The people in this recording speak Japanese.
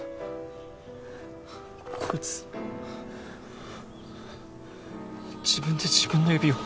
こいつ自分で自分の指を。